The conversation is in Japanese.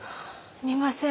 すみません